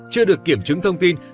chưa được kiểm chứng thông tin